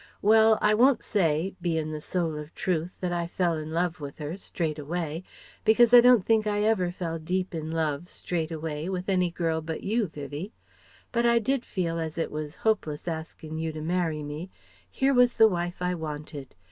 Well, I won't say bein' the soul of truth that I fell in love with her straight away because I don't think I ever fell deep in love straight away with any girl but you, Vivie. But I did feel, as it was hopeless askin' you to marry me, here was the wife I wanted.